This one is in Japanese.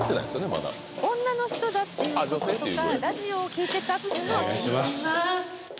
まだ女の人だっていうこととかラジオを聴いてたっていうのは聞いてます